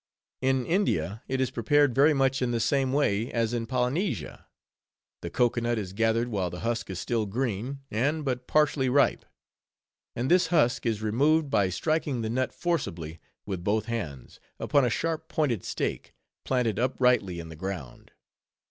In India, it is prepared very much in the same way as in Polynesia. The cocoa nut is gathered while the husk is still green, and but partially ripe; and this husk is removed by striking the nut forcibly, with both hands, upon a sharp pointed stake, planted uprightly in the ground.